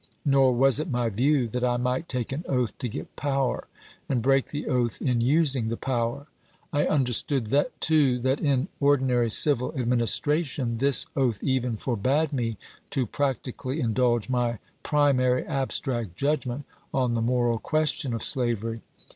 Nor was it my view that I might take an oath to get power, and break the oatli in using the power. I understood, too, that in ordinary civil administration this oath even forbade me to practically indulge my primary abstract judgment on the moral question of slavery.